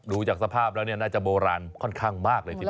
ดูจากสภาพแล้วน่าจะโบราณค่อนข้างมากเลยทีเดียว